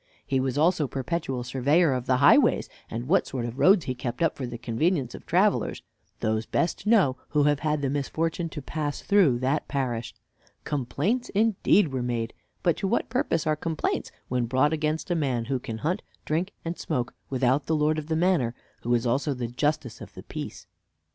He was also perpetual surveyor of the highways, and what sort of roads he kept up for the convenience of travelers, those best knew who have had the misfortune to pass through that parish. Complaints indeed were made, but to what purpose are complaints, when brought against a man who can hunt, drink, and smoke, without the lord of the manor, who is also the justice of peace?